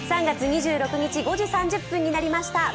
３月２６日５時３０分になりました。